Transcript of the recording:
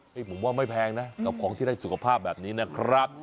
ผมว่าไม่แพงนะกับของที่ได้สุขภาพแบบนี้นะครับ